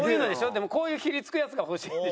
でもこういうひりつくやつが欲しいんでしょ？